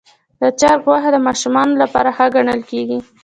د چرګ غوښه د ماشومانو لپاره ښه ګڼل کېږي.